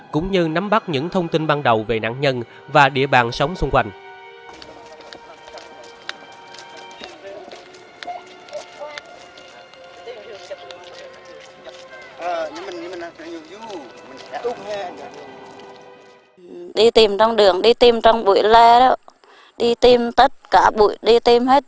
cũng như nắm bắt những thông tin ban đầu về nạn nhân và địa bàn sống xung quanh